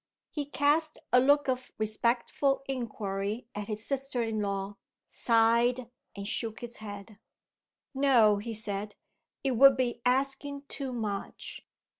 He cast a look of respectful inquiry at his sister in law, sighed, and shook his head. "No!" he said. "It would be asking too much.